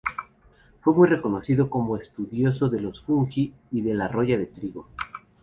Fue muy reconocido como estudioso de los fungi y de la roya del trigo.